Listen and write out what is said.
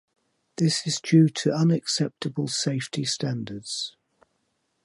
This is due to unacceptable safety standards.